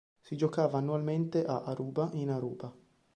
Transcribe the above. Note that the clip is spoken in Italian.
Si giocava annualmente a Aruba in Aruba.